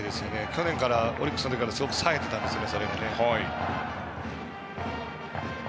去年からオリックスの時からすごくさえてましたね。